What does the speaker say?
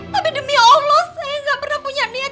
tapi demi allah saya gak pernah punya niat